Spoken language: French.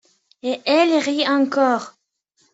Et elle rit encore.